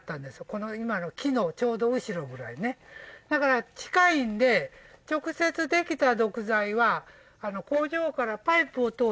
この今木のちょうど後ろぐらいねだから近いんで直接できた毒剤は工場からパイプを通してね